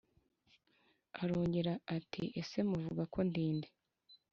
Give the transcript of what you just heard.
Arongera ati ese muvuga ko ndinde